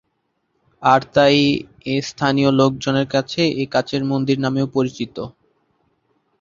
আর তাই এস্থানিয় লোকজনের কাছে এটা কাচের মন্দির নামেও পরিচিত।